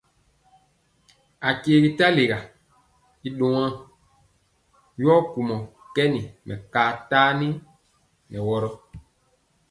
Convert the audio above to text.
Akyegi talega i nkwaaŋ, yɔ kumɔ kɛn mɛkaa tani nɛ wɔrɔ.